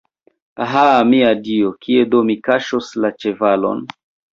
Ha, mia Dio, kie do mi kaŝos la ĉevalon.